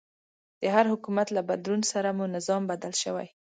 د هر حکومت له بدلون سره مو نظام بدل شوی.